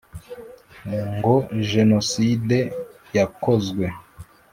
ngo genocide yakozwe